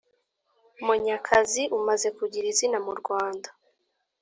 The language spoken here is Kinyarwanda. Munyakazi umaze kugira izina mu Rwanda